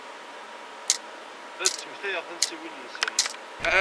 La d-ttmektayeɣ tansiwin-nsen.